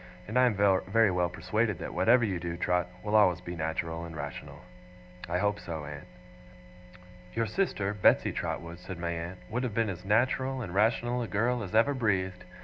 And I am very well persuaded that whatever you do, Trot, will always be natural and rational.' 'I hope so, aunt.' 'Your sister, Betsey Trotwood,' said my aunt, 'would have been as natural and rational a girl as ever breathed.